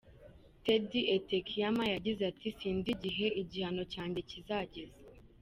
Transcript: Taddy Etekiama yagize ati : “Sinzi igihe igihano cyanjye kizageza.